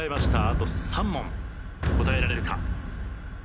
あと３問答えられるか？